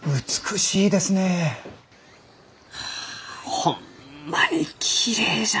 あホンマにきれいじゃのう！